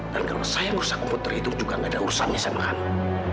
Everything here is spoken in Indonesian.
dan kalau saya ngerusak komputer itu juga nggak ada urusan yang saya menganggap